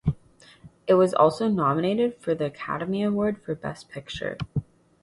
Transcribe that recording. It was also nominated for the Academy Award for Best Picture.